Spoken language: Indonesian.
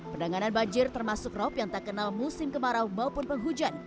penanganan banjir termasuk rop yang tak kenal musim kemarau maupun penghujan